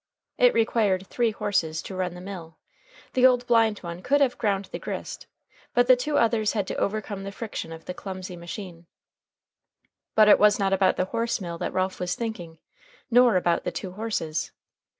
It required three horses to run the mill; the old blind one could have ground the grist, but the two others had to overcome the friction of the clumsy machine. But it was not about the horse mill that Ralph was thinking nor about the two horses.